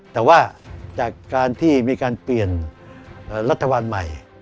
แต่ว่าจากการที่มีการเปลี่ยนรัฐบาลใหม่